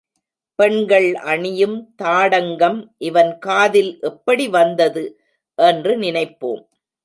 பெண்கள் அணியும் தாடங்கம் இவன் காதில் எப்படி வந்தது என்று நினைப்போம்.